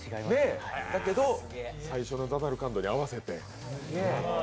だけど、最初の「ザナルカンドにて」に合わせて。